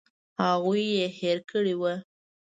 هغوی یې هېر کړي وو.